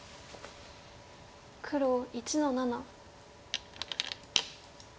黒１の七。